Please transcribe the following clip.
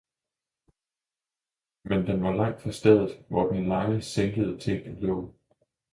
men den var langt fra stedet, hvor den lange sænkede ting lå.